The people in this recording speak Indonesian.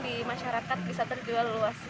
di masyarakat bisa terjual luas